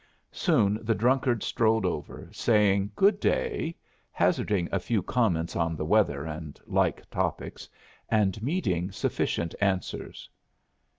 Soon the drunkards strolled over, saying good day, hazarding a few comments on the weather and like topics, and meeting sufficient answers.